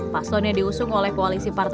pasalnya diusung oleh polisi perancis